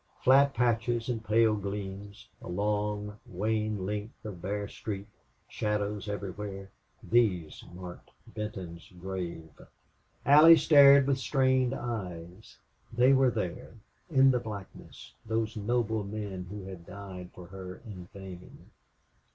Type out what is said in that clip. Flat patches and pale gleams, a long, wan length of bare street, shadows everywhere these marked Benton's grave. Allie stared with strained eyes. They were there in the blackness those noble men who had died for her in vain.